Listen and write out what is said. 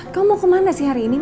kamu mau kemana sih hari ini